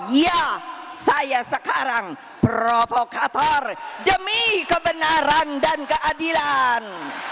ya saya sekarang provokator demi kebenaran dan keadilan